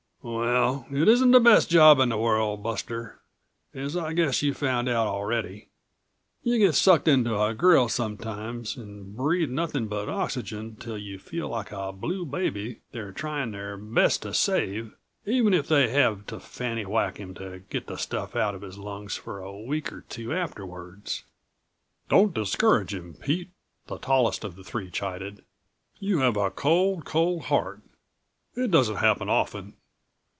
"Well, it isn't the best job in the world, Buster, as I guess you've found out already. You get sucked into a grill sometimes, and breathe nothing but oxygen until you feel like a blue baby they're trying their best to save, even if they have to fanny whack him to get the stuff out of his lungs for a week or two afterwards." "Don't discourage him, Pete," the tallest of the three chided. "You have a cold, cold heart. It doesn't happen often."